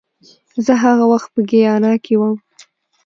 زه هغه وخت په ګیانا کې وم